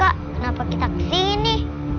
kak kenapa kita kesini